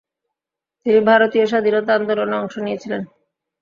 তিনি ভারতীয় স্বাধীনতা আন্দোলনে অংশ নিয়েছিলেন।